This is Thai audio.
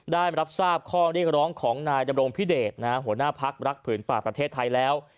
ได้รับทราบข้อเรียกร้องของนายดำรงพิเดชหัวหน้าพักรักผืนป่าประเทศไทยแล้ว